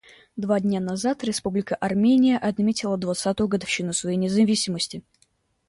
Два дня назад Республика Армения отметила двадцатую годовщину своей независимости.